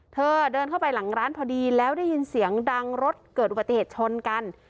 เธอเดินเข้าไปหลังร้านพอดีแล้วได้ยินเสียงดังรถเกิดอุบัติเหตุชนกัน